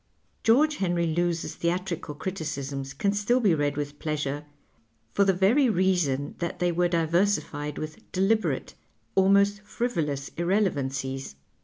George Henry Lewes's theatrical criticisms can still be read with pleasure for the very reason that they were diversified with deliberate, almost frivolous irrelevancies.